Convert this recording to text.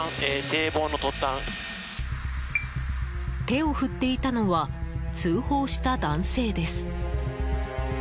手を振っていたのは通報した男性です。